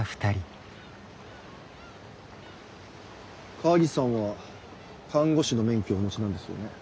川岸さんは看護師の免許をお持ちなんですよね？